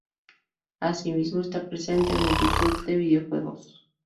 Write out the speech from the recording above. Asimismo está presente en multitud de videojuegos.